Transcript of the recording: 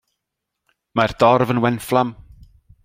Mae'r dorf yn wenfflam.